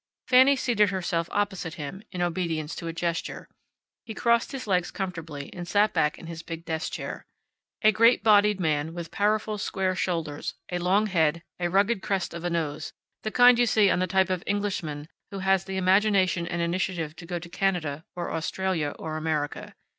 Fanny seated herself opposite him, in obedience to a gesture. He crossed his legs comfortably and sat back in his big desk chair. A great bodied man, with powerful square shoulders, a long head, a rugged crest of a nose the kind you see on the type of Englishman who has the imagination and initiative to go to Canada, or Australia, or America.